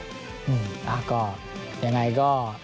คือล่ะก็ยังไงก็